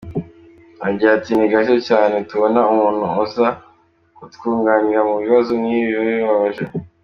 Agira ati“Ni gake cyane tubona umuntu uza kutwunganira mu bibazo nkibi biba bibabaje.